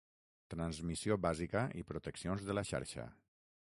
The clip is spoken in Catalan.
Transmissió bàsica i Proteccions de la xarxa.